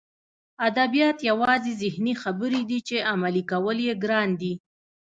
ادبیات یوازې ذهني خبرې دي چې عملي کول یې ګران دي